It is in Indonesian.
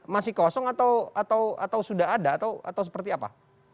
masih kosong atau sudah ada atau seperti apa